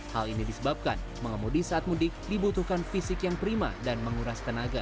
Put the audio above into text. hal ini disebabkan mengemudi saat mudik dibutuhkan fisik yang prima dan menguras tenaga